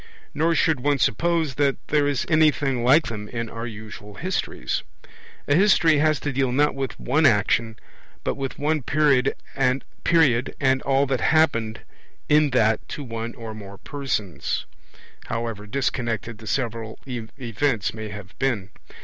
Nor should one suppose that there is anything like them in our usual histories. A history has to deal not with one action, but with one period and all that happened in that to one or more persons, however disconnected the several events may have been.